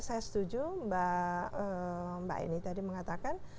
saya setuju mbak ini tadi mengatakan